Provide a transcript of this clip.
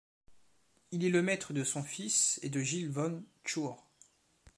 Il est le maître de son fils et de Gilles van Schoor.